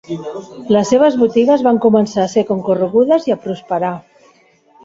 Les seves botigues van començar a ser concorregudes i a prosperar.